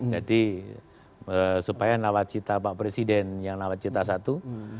jadi supaya lawat cita pak presiden yang lawat cita satu